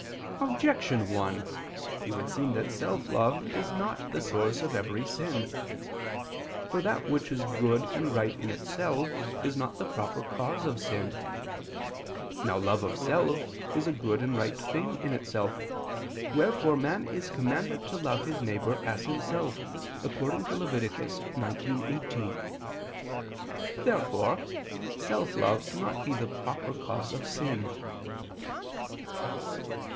Objection 1: It would seem that self love is not the source of every sin. For that which is good and right in itself is not the proper cause of sin. Now love of self is a good and right thing in itself: wherefore man is commanded to love his neighbor as himself (Lev. 19:18). Therefore self love cannot be the proper cause of sin.